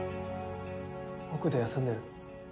奥で休んでる。